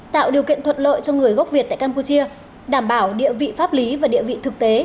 tạo điều kiện thuận lợi cho người gốc việt tại campuchia đảm bảo địa vị pháp lý và địa vị thực tế